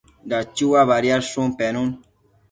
Dachua badiadshun pennu